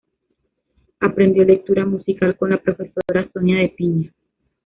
Aprendió lectura musical con la profesora Sonia de Piña.